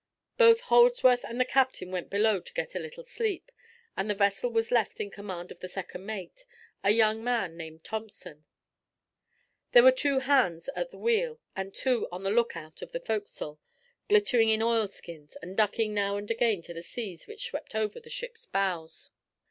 Both Holdsworth and the captain went below to get a little sleep, and the vessel was left in command of the second mate, a young man named Thompson. There were two hands at the wheel and two on the lookout on the forecastle, glittering in oil skins, and ducking now and again to the seas which swept over the ship's bows.